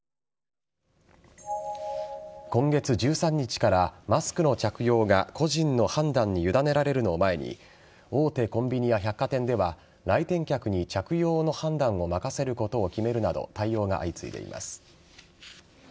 今月１３日からマスクの着用が個人の判断に委ねられるのを前に大手コンビニや百貨店では来店客に着用の判断を任せることを決めるなど対応が相次いでいます。